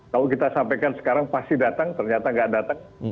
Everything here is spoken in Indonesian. kalau kita sampaikan sekarang pasti datang ternyata nggak datang